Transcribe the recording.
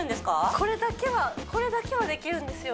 これだけはこれだけはできるんですよ